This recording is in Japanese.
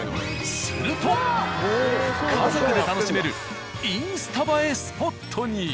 すると家族で楽しめるインスタ映えスポットに。